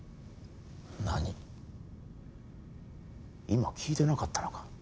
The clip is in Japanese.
今聞いてなかったのか？